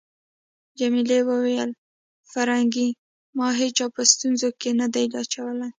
جميلې وويل: فرګي، ما هیچا په ستونزو کي نه ده اچولی.